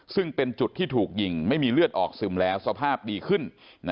ซึ่งเป็นจุดที่ถูกยิงไม่มีเลือดออกซึมแล้วสภาพดีขึ้น